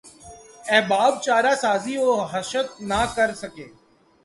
احباب چارہ سازی وحشت نہ کر سکے